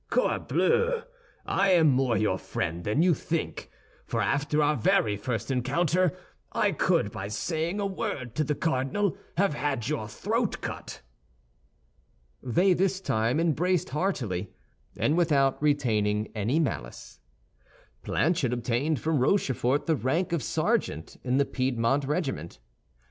"Corbleu! I am more your friend than you think—for after our very first encounter, I could by saying a word to the cardinal have had your throat cut!" They this time embraced heartily, and without retaining any malice. Planchet obtained from Rochefort the rank of sergeant in the Piedmont regiment.